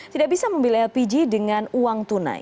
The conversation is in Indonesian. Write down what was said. tidak bisa membeli lpg dengan uang tunai